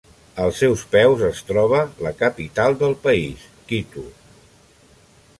Als seus peus es troba la capital del país, Quito.